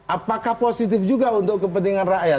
apakah positif juga untuk kepentingan rakyat